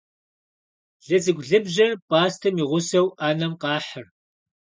Лыцӏыкӏу лыбжьэр пӏастэм и гъусэу ӏэнэм къахьыр.